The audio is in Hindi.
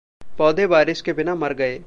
पौधे बारिश के बिना मर गए।